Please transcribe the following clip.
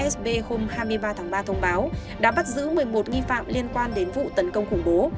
sb hôm hai mươi ba tháng ba thông báo đã bắt giữ một mươi một nghi phạm liên quan đến vụ tấn công khủng bố